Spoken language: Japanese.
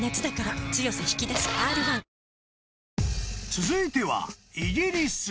［続いては］